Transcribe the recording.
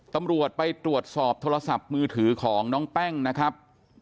ตำรวจไปตรวจสอบโทรศัพท์มือถือของน้องแป้งนะครับ